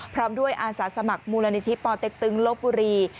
พร้อมด้วยอาสาสมัครมูลนิธิปอเต็กตึงลบบุรี